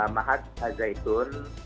mahat al zaitun